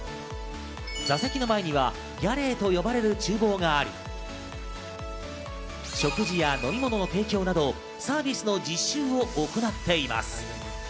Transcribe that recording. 座席の前にはギャレーと呼ばれる厨房があり、食事や飲み物を提供などサービスの実習を行っています。